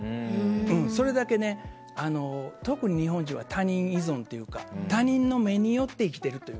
それだけ、特に日本人は他人依存というか他人の目によって生きてるという。